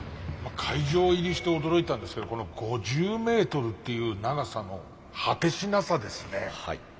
会場入りして驚いたんですけどこの５０メートルっていう長さの果てしなさですね。